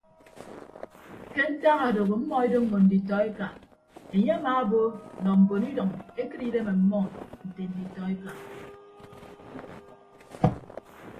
Ke ntak adooho ọmmọ edoñño nditọ eka enye amaabo nọ mbon idʌñ ekịt idem ọmmọ nte nditọeka.